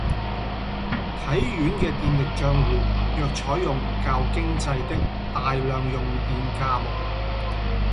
體院的電力帳戶若採用較經濟的大量用電價目